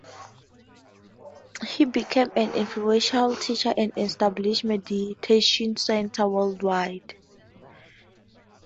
He became an influential teacher and established meditation centers worldwide.